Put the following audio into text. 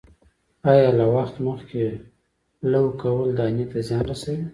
آیا له وخت مخکې لو کول دانې ته زیان رسوي؟